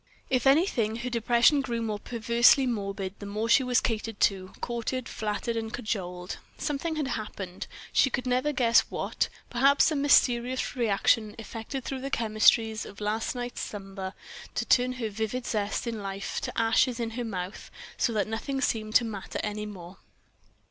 If anything her depression grew more perversely morbid the more she was catered to, courted, flattered, and cajoled. Something had happened, she could never guess what, perhaps some mysterious reaction effected through the chemistry of last night's slumber, to turn her vivid zest in life to ashes in her mouth, so that nothing seemed to matter any more.